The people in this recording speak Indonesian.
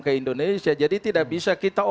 ke indonesia jadi tidak bisa kita